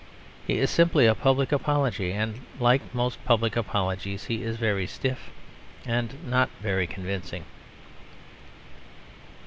He is simply a public apology, and like most public apologies, he is very stiff and not very convincing.